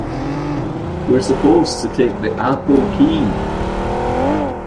We're supposed to take the Appel Quay!